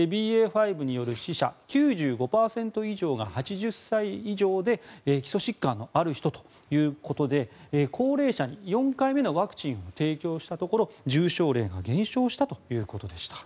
ＢＡ．５による死者９５％以上が８０歳以上で基礎疾患のある人ということで高齢者に４回目のワクチンを提供したところ重症例が減少したということでした。